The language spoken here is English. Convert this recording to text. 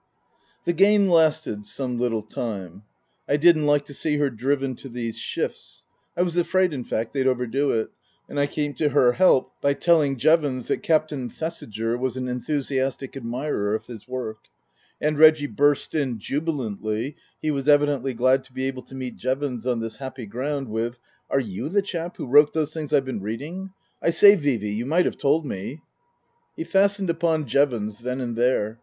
The game lasted some little time. I didn't like to see her driven to these shifts (I was afraid, in fact, they'd overdo it), and I came to her help by telling Jevons that Captain Thesiger was an enthusiastic admirer of his work ; and Reggie burst in jubilantly he was evidently glad to be able to meet Jevons on this happy ground with :" Are you the chap who wrote those things I've been reading ? I say, Vee Vee, you might have told me." He fastened upon Jevons then and there.